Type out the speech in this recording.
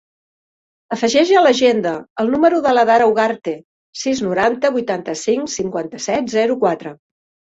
Afegeix a l'agenda el número de l'Adara Ugarte: sis, noranta, vuitanta-cinc, cinquanta-set, zero, quatre.